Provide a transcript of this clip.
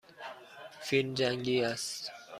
فیلم جنگی است.